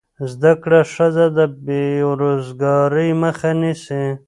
زده کړه ښځه د بېروزګارۍ مخه نیسي.